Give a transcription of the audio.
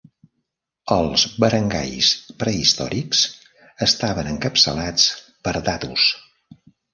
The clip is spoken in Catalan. Els barangais prehistòrics estaven encapçalats per datus.